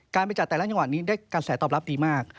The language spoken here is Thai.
ไปจัดแต่ละจังหวัดนี้ได้กระแสตอบรับดีมาก